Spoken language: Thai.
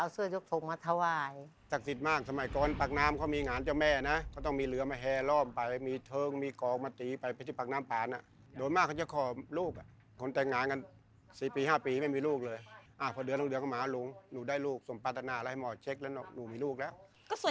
ส่วนต่ำนานที่มาของสารเจ้าแม่นมสาว